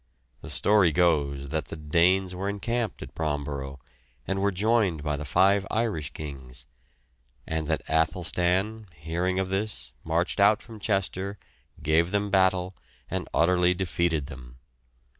The story goes that the Danes were encamped at Bromborough, and were joined by the five Irish kings; and that Athelstan, hearing of this, marched out from Chester, gave them battle, and utterly defeated them.